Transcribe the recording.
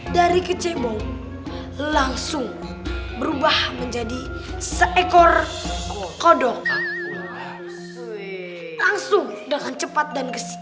dari kecebo langsung berubah menjadi seekor kodok langsung dengan cepat dan gesit